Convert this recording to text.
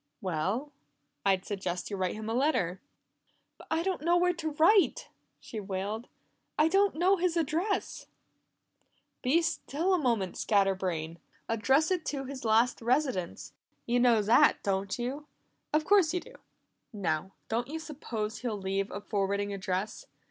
"Well, I'd suggest you write him a letter." "But I don't know where to write!" she wailed. "I don't know his address!" "Be still a moment, scatter brain! Address it to his last residence; you know that, don't you? Of course you do. Now, don't you suppose he'll leave a forwarding address?